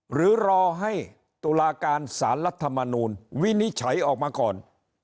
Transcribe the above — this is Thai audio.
หรือรอให้ตุลาการสารรัฐมนูลวินิจฉัยออกมาก่อน